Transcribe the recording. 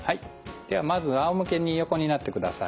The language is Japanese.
ではまずあおむけに横になってください。